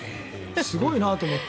すごいなと思って。